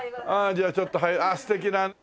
じゃあちょっとあっ素敵な。